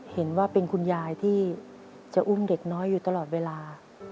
เห็นว่าเป็นคุณยายที่จะอุ้มเด็กน้อยอยู่ตลอดเวลา